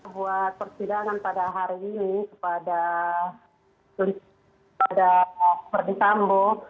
buat persidangan pada hari ini kepada verdi sambo